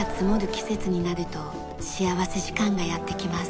季節になると幸福時間がやってきます。